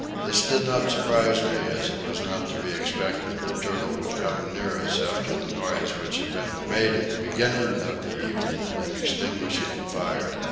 This did not surprise me as it was not to be expected that turtle would come near us after the noise which had been made at the beginning of the evening in extinguishing the fire.